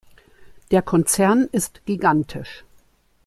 Der Konzern ist gigantisch.